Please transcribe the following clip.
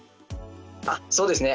あそうですね。